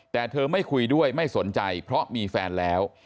แต่เธอไม่คุยด้วยไม่สนใจเพราะมีแฟนแล้ว